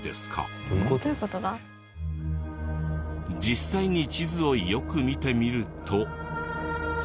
実際に地図をよく見てみると。